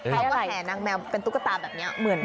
เขาแหอนางแมวเป็นตุ๊กตาแบบนี้เหมือนมัน